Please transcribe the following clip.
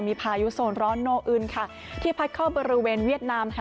มีพายุโซนร้อนโนอึนค่ะที่พัดเข้าบริเวณเวียดนามค่ะ